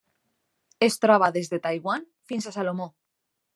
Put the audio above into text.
Es troba des de Taiwan fins a Salomó.